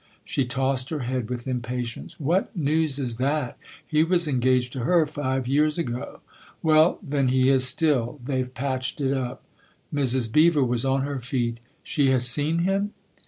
She tossed her head with impatience. "What news is that ? He was engaged to her five years ago!" " Well, then he is still. They've patched it up." 240 THE OTHER HOUSE Mrs. Beever was on her feet. " She has seen him